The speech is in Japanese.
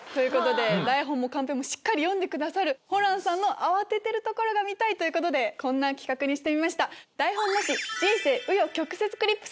台本もカンペもしっかり読んでくださるホランさんの慌ててるところが見たいということでこんな企画にしてみました。